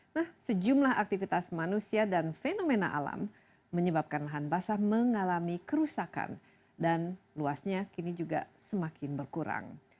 nah sejumlah aktivitas manusia dan fenomena alam menyebabkan lahan basah mengalami kerusakan dan luasnya kini juga semakin berkurang